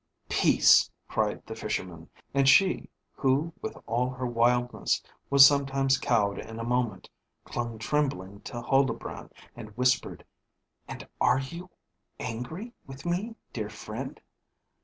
"Peace!" cried the Fisherman; and she, who with all her wildness was sometimes cowed in a moment, clung trembling to Huldbrand, and whispered, "And are you angry with me, dear friend?"